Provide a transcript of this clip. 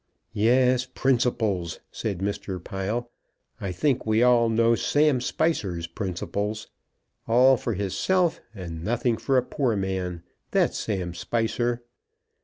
"Yes; principles!" said Mr. Pile. "I think we all know Sam Spicer's principles. All for hisself, and nothing for a poor man. That's Sam Spicer."